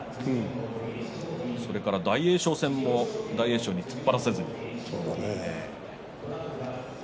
それから大栄翔戦も大栄翔に突っ張らせず。